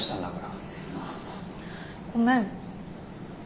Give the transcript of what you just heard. ごめん。